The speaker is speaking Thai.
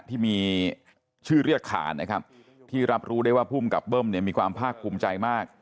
ที่มีชื่อเรียกขานนะครับที่รับรู้ได้ว่าภูมิกับเบิ้มเนี่ยมีความภาคภูมิใจมาก